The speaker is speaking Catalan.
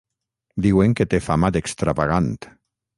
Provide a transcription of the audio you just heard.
Diuen que té fama d'extravagant.